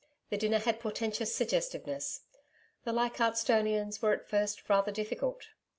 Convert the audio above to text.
The dinner had portentous suggestiveness; the Leidchardt'stonians were at first rather difficult.